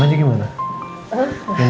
bila sudah mal backend